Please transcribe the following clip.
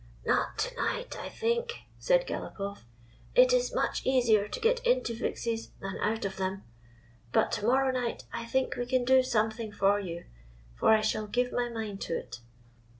" Not to night, I think," said Galopoff. " It is much easier to get into fixes than out of them. But to morrow night I think we can do some thing for you ; for I shall give my mind to it."